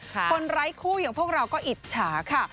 ไร้คู่อย่างพวกเราก็อิจฉาค่ะ